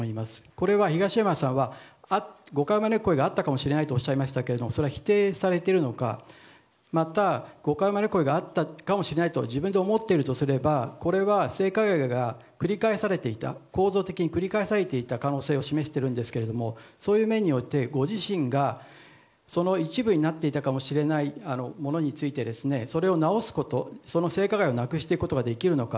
それは東山さんが誤解を招く行為があったかもしれないと否定されているのかまたは誤解を招く行為があったかもしれないと自分では思ってるとすればこれは性加害が構造的に繰り返されていた可能性を示してるんですけどそういう面においてご自身がその一部になっていたかもしれないものについてそれを直すことその性加害をなくしていくことができるのか。